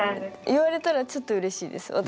言われたらちょっとうれしいです。